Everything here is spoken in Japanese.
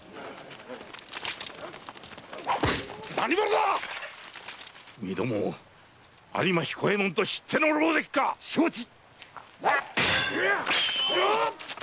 何者だ⁉身共を有馬彦右衛門と知っての狼藉か⁉承知！